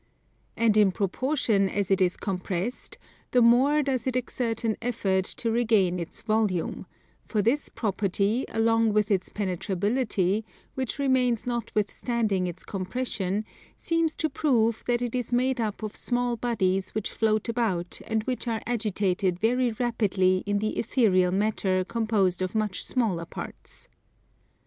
And in proportion as it is compressed the more does it exert an effort to regain its volume; for this property along with its penetrability, which remains notwithstanding its compression, seems to prove that it is made up of small bodies which float about and which are agitated very rapidly in the ethereal matter composed of much smaller parts.